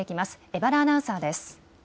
江原アナウンサーです。